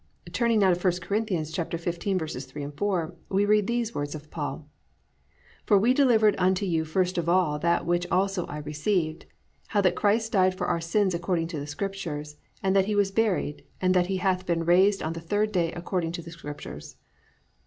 Turning now to I Cor. 15:3, 4, we read these words of Paul: +"For we delivered unto you first of all that which also I received, how that Christ died for our sins according to the scriptures; and that he was buried; and that he hath been raised on the third day according to the scriptures."